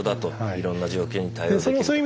いろんな条件に対応できると。